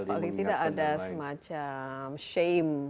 paling tidak ada semacam shame